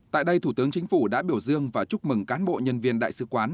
tại đây thủ tướng chính phủ đã biểu dương và chúc mừng cán bộ nhân viên đại sứ quán